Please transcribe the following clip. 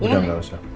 udah gak usah